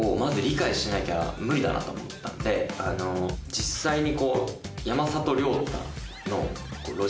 実際に。